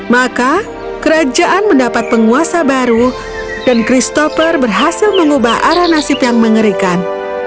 maka kerajaan mendapat penguasa baru dan christopher berhasil mengubah arah nasib yang mengerikan